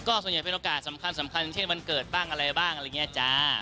ส่วนใหญ่เป็นโอกาสสำคัญเช่นวันเกิดบ้างอะไรบ้างอะไรอย่างนี้จ้า